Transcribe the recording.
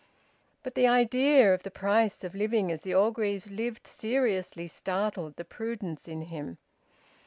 But the idea of the price of living as the Orgreaves lived seriously startled the prudence in him.